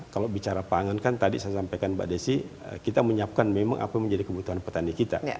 kalau bicara pangan kan tadi saya sampaikan mbak desi kita menyiapkan memang apa yang menjadi kebutuhan petani kita